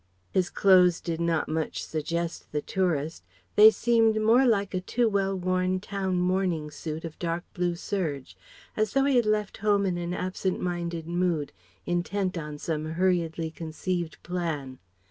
His clothes did not much suggest the tourist they seemed more like a too well worn town morning suit of dark blue serge; as though he had left home in an absent minded mood intent on some hurriedly conceived plan.